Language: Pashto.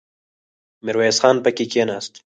ميرويس خان پکې کېناست.